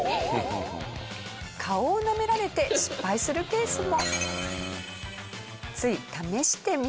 顔をなめられて失敗するケースも。